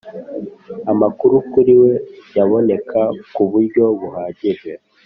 amakuru kuri we yaboneka ku buryo buhagije.